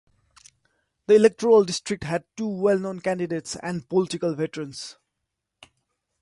The electoral district had two well known candidates and political veterans.